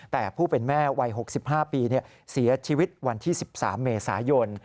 แต่ผู้เป็นแม่วัย๖๕ปีเสียชีวิตวันที่๑๓เมษายน